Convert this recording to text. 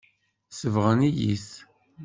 Sebɣen-iyi-t.